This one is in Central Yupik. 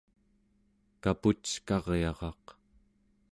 kapuckaryaraq